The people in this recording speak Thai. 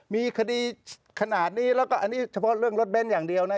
มีคดีขนาดนี้แล้วก็อันนี้เฉพาะเรื่องรถเบ้นอย่างเดียวนะ